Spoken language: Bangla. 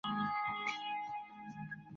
আমার ছেলে ওর মন যা চাই তাই করবে।